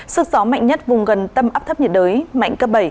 sức gió mạnh nhất vùng gần tâm áp thấp nhiệt đới mạnh cấp bảy